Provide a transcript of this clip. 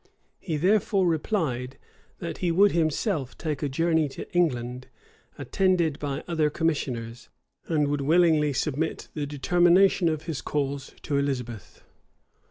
He therefore replied, that he would himself take a journey to England, attended by other commissioners, and would willingly submit the determination of his cause to Elizabeth.